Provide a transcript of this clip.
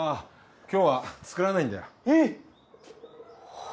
今日は作らないんだよえッ？